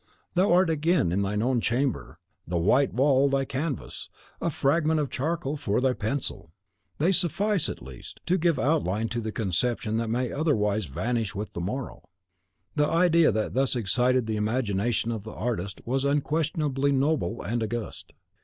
Thou art again in thine own chamber, the white wall thy canvas, a fragment of charcoal for thy pencil. They suffice, at least, to give outline to the conception that may otherwise vanish with the morrow. The idea that thus excited the imagination of the artist was unquestionably noble and august.